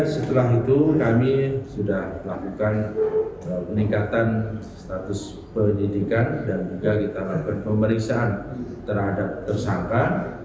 setelah itu kami sudah melakukan peningkatan status penyidikan dan juga kita lakukan pemeriksaan terhadap tersangka